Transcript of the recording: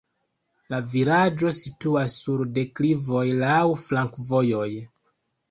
La vilaĝo situas sur deklivoj, laŭ flankovojoj.